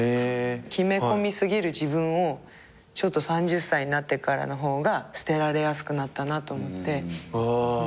決め込み過ぎる自分を３０歳になってからの方が捨てられやすくなったなと思って。